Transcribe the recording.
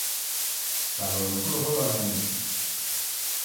Salome kulow'olwa nembe?